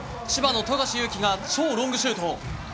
千葉の富樫勇樹が超ロングシュート！